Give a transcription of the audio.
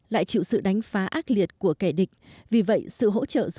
lại chịu sự đánh phá ác liệt của kẻ địch